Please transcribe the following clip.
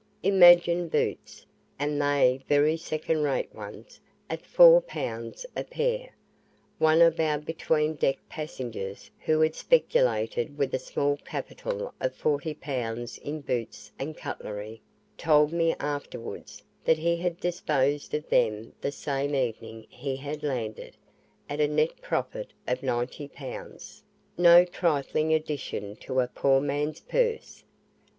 Imagine boots, and they very second rate ones, at four pounds a pair. One of our between deck passengers who had speculated with a small capital of forty pounds in boots and cutlery, told me afterwards that he had disposed of them the same evening he had landed, at a net profit of ninety pounds no trifling addition to a poor man's purse.